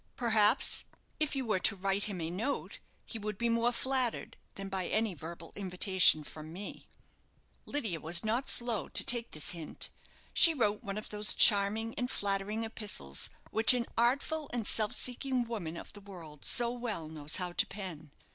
Perhaps, if you were to write him a note, he would be more flattered than by any verbal invitation from me." Lydia was not slow to take this hint. She wrote one of those charming and flattering epistles which an artful and self seeking woman of the world so well knows how to pen.